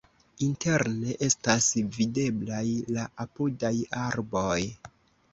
Interne estas videblaj la apudaj arboj.